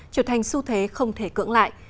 trở thành xu thế không thể cưỡng lại